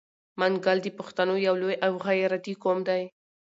منګل د پښتنو یو لوی او غیرتي قوم دی.